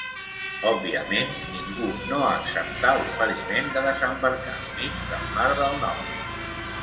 Òbviament, ningú no acceptà l'oferiment de desembarcar enmig del mar del Nord.